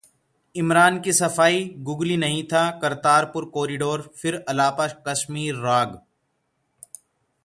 इमरान की सफाई- 'गुगली' नहीं था करतारपुर कॉरिडोर, फिर अलापा कश्मीर राग